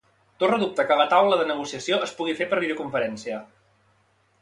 Torra dubta que la taula de negociació es pugui fer per videoconferència.